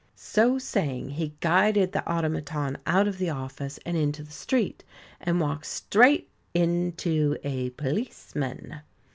So saying, he guided the automaton out of the office and into the street, and walked straight into a policeman.